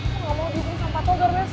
gue gak mau dihukum sama togar besok